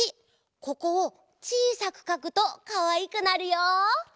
ここをちいさくかくとかわいくなるよ。